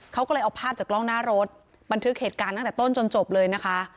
เขาก็เลยเอาภาพจากกล้องหน้ารถบันทึกเหตุการณ์ตั้งแต่ต้นจนจบเลยนะคะ